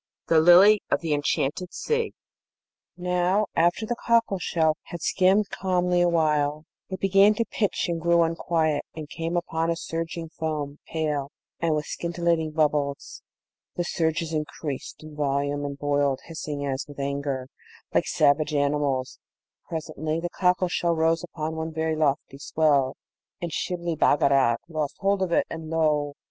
THE LILY OF THE ENCHANTED SEA Now, after the cockle shell had skimmed calmly awhile, it began to pitch and grew unquiet, and came upon a surging foam, pale, and with scintillating bubbles. The surges increased in volume, and boiled, hissing as with anger, like savage animals. Presently, the cockle shell rose upon one very lofty swell, and Shibli Bagarag lost hold of it, and lo!